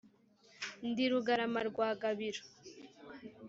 Nti: Rugarama rwa Gabiro